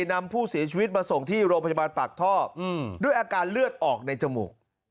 นำผู้เสียชีวิตมาส่งที่โรงพยาบาลปากท่อด้วยอาการเลือดออกในจมูก